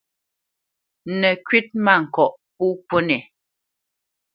Nə̌ kywítmâŋkɔʼ pô kúnɛ.